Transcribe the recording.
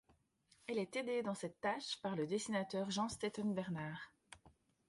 Elle est aidée dans cette tâche par le dessinateur Jean Stetten-Bernard.